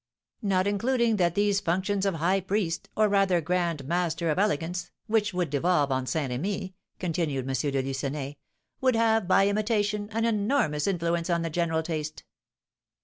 "Not including that these functions of high priest, or, rather, grand master of elegance, which would devolve on Saint Remy," continued M. de Lucenay, "would have, by imitation, an enormous influence on the general taste."